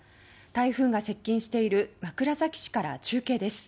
台風が接近している枕崎市から中継です。